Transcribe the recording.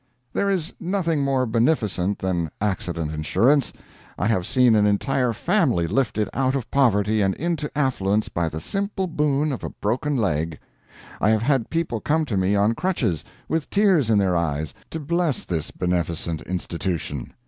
There is nothing more beneficent than accident insurance. I have seen an entire family lifted out of poverty and into affluence by the simple boon of a broken leg. I have had people come to me on crutches, with tears in their eyes, to bless this beneficent institution.